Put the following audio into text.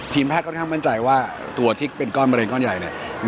แพทย์ค่อนข้างมั่นใจว่าตัวที่เป็นก้อนมะเร็งก้อนใหญ่เนี่ย